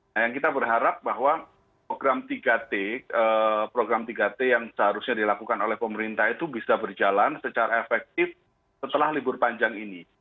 nah yang kita berharap bahwa program tiga t program tiga t yang seharusnya dilakukan oleh pemerintah itu bisa berjalan secara efektif setelah libur panjang ini